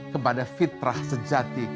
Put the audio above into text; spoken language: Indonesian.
kepada fitrah sejati